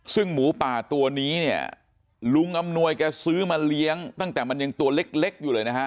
ซึ่งหมูป่าตัวนี้เนี่ยลุงอำนวยแกซื้อมาเลี้ยงตั้งแต่มันยังตัวเล็กอยู่เลยนะฮะ